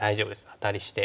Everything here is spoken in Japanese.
アタリして。